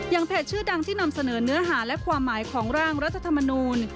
เพจชื่อดังที่นำเสนอเนื้อหาและความหมายของร่างรัฐธรรมนูล